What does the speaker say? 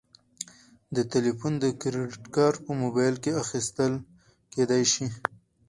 د تلیفون د کریدت کارت په موبایل کې اخیستل کیدی شي.